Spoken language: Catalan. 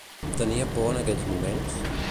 Tenia por en aquells moments?